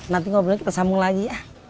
nanti kalau boleh kita sambung lagi ya